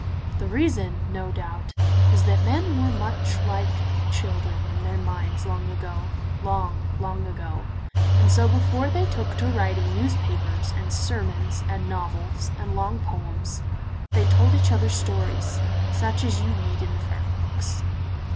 The reason, no doubt, is that men were much like children in their minds long ago, long, long ago, and so before they took to writing newspapers, and sermons, and novels, and long poems, they told each other stories, such as you read in the fairy books.